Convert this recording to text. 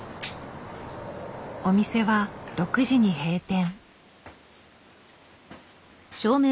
お店は６時に閉店。